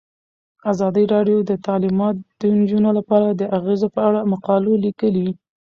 ازادي راډیو د تعلیمات د نجونو لپاره د اغیزو په اړه مقالو لیکلي.